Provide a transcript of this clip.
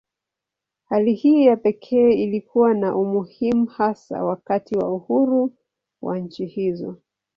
Hali hii ya pekee ilikuwa na umuhimu hasa wakati wa uhuru wa nchi hizo.